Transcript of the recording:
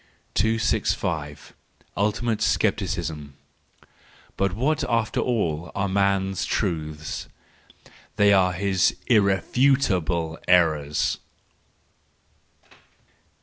265. Ultimate Scepticism .—But what after all are man's truths ?—They are his irrefutable errors.